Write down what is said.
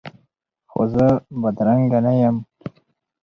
خو زه بدرنګه نه یم